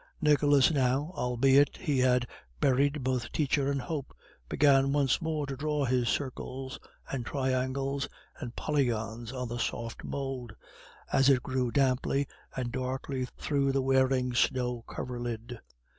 Nicholas now, albeit he had buried both teacher and hope, began once more to draw his circles and triangles and polygons on the soft mould, as it grew damply and darkly through the wearing snow coverlid.